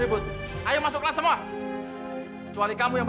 bukan aku mau terima ayah